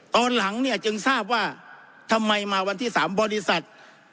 ตอนหลังเนี่ยจึงทราบว่าทำไมมาวันที่๓บริษัท